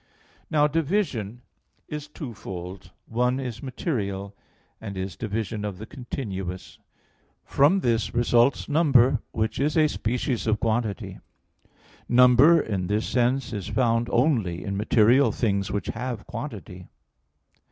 Now division is twofold; one is material, and is division of the continuous; from this results number, which is a species of quantity. Number in this sense is found only in material things which have quantity.